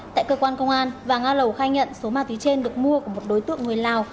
tại cơ quan công an và nga lầu khai nhận số ma túy trên được mua của một đối tượng người lào